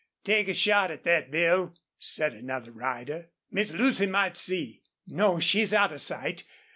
"Take a shot at thet, Bill," said another rider. "Miss Lucy might see No, she's out of sight.